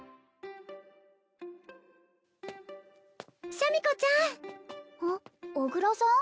シャミ子ちゃんうん小倉さん？